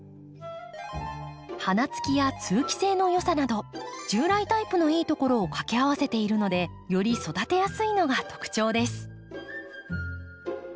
花つきや通気性のよさなど従来タイプのいいところをかけ合わせているのでより育てやすいのが特徴です。